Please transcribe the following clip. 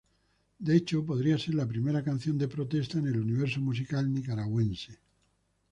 De hecho, podría ser la primera canción de protesta en el universo musical nicaragüense.